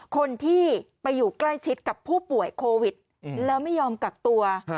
คนที่ไปอยู่ใกล้ชิดกับผู้ป่วยโควิดแล้วไม่ยอมกักตัว